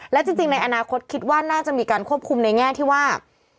และจริงในอนาคตคิดว่าน่าจะมีการควบคุมในแง่ที่ว่า